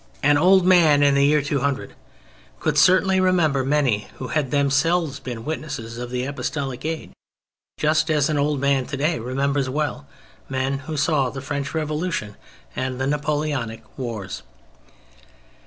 An old man in the year 200 could certainly remember many who had themselves been witnesses of the Apostolic age, just as an old man today remembers well men who saw the French Revolution and the Napoleonic wars.